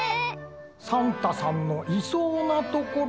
サンタさんのいそうなところ。